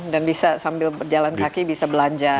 dan bisa sambil berjalan kaki bisa belanja